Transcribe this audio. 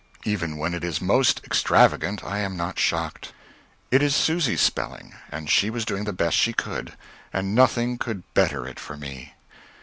Even when it is most extravagant I am not shocked. It is Susy's spelling, and she was doing the best she could and nothing could better it for me....